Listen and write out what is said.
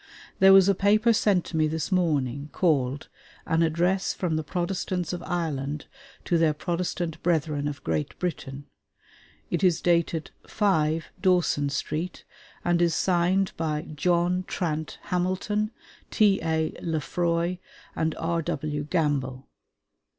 There was a paper sent to me this morning, called 'An Address from the Protestants of Ireland to their Protestant Brethren of Great Britain.' It is dated "5, Dawson Street," and is signed by "John Trant Hamilton, T.A. Lefroy, and R.W. Gamble."